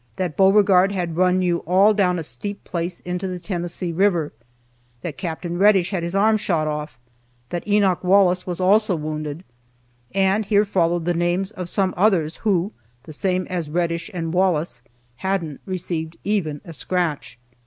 That Beauregard had run you all down a steep place into the Tennessee river, that Captain Reddish had his arm shot off, that Enoch Wallace was also wounded;" and here followed the names of some others who (the same as Reddish and Wallace) hadn't received even a scratch.